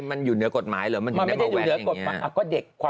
ไม่ได้เหรอค่ะ